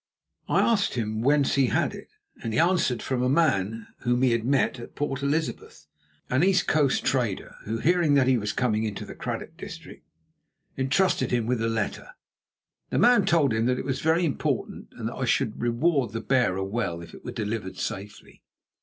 I asked him whence he had it, and he answered from a man whom he had met at Port Elizabeth, an east coast trader, who, hearing that he was coming into the Cradock district, entrusted him with the letter. The man told him that it was very important, and that I should reward the bearer well if it were delivered safely.